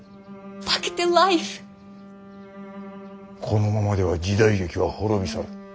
このままでは時代劇は滅び去る。